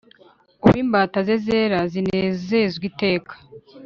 ub' imbata ze zera zinezerw' iteka.